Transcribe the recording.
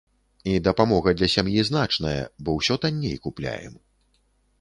І дапамога для сям'і значная, бо ўсё танней купляем.